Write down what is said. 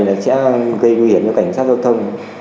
là sẽ gây nguy hiểm cho cảnh sát giao thông